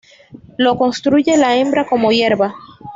Lo construye la hembra con hierba.